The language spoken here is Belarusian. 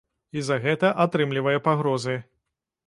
І за гэта атрымлівае пагрозы.